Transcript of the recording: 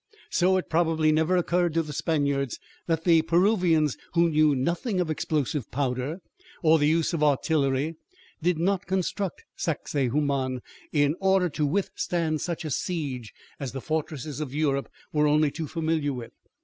So it probably never occurred to the Spaniards that the Peruvians, who knew nothing of explosive powder or the use of artillery, did not construct Sacsahuaman in order to withstand such a siege as the fortresses of Europe were only too familiar with.